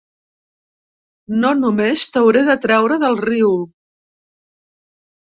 No només t'hauré de treure del riu.